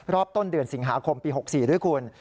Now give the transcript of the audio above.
ต้นเดือนสิงหาคมปี๖๔ด้วยคุณ